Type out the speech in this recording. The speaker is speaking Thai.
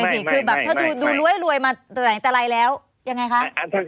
ถ้าดูรวยมาแต่ไหนแต่ไรแล้วยังไงคะ